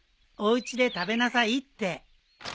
おうちで食べなさいって。